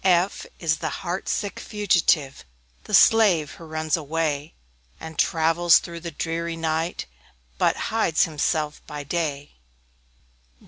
F F is the heart sick Fugitive, The slave who runs away, And travels through the dreary night, But hides himself by day.